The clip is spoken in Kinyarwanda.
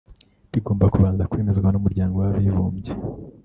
bigomba kubanza kwemezwa n’Umuryango w’Abibumbye